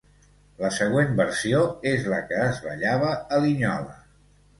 La següent versió és la que es ballava a Linyola.